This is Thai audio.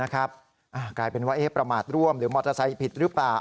กลายเป็นว่าประมาทร่วมหรือมอเตอร์ไซค์ผิดหรือเปล่า